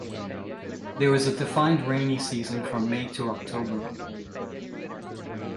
There is a defined rainy season from May to October.